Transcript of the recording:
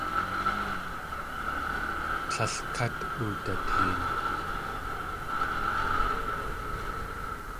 Tlél kát oodateen.